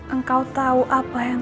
engkau tahu apa yang